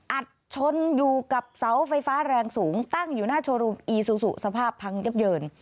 อัดชนอยู่กับเสาไฟฟ้าแรงสูงตั้งอยู่หน้าโชว์รูมอีซูซูสภาพพังยับเยิน